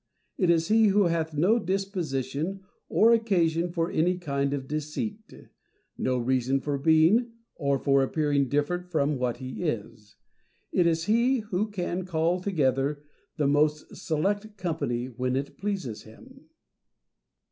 It is he who hath no disposition or occasion for any kind of deceit, no reason for being or for appearing different from what he is. It is he who can call together the most select company when it pleases him.